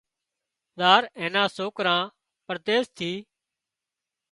زار اين نا سوڪرا پرديس ٿي